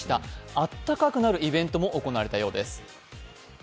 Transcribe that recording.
あったかくなるイベントも行われたようです。